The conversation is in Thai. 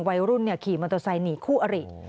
วัยรุ่นขี่มอเตอร์ไซค์หนีคู่อริ